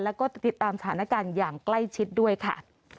แล้วก็ติดตามสถานการณ์อย่างใกล้ชิดด้วยค่ะ